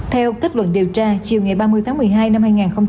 theo kết luận điều tra chiều ngày ba mươi tháng một mươi hai năm hai nghìn hai mươi ba